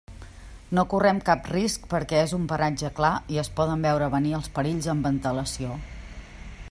No correm cap risc perquè és un paratge clar i es poden veure venir els perills amb antelació.